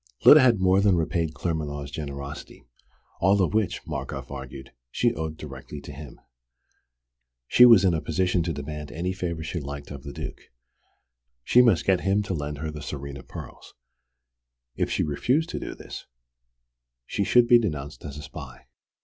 Lyda had more than repaid Claremanagh's generosity, all of which, Markoff argued, she owed directly to him. She was in a position to demand any favour she liked of the Duke. She must get him to lend her the Tsarina pearls. If she refused to do this, she should be denounced as a spy.